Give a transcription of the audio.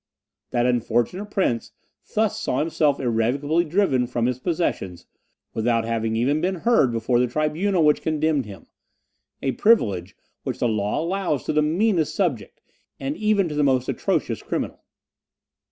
That unfortunate prince thus saw himself irrevocably driven from his possessions, without having been even heard before the tribunal which condemned him a privilege which the law allows to the meanest subject, and even to the most atrocious criminal.